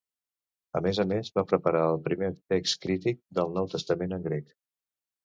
A més a més, va preparar el primer text crític del Nou Testament en grec.